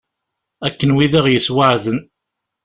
Akken wid i ɣ-yessweεden.